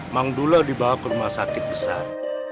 mangdula dibawa ke rumah sakit besar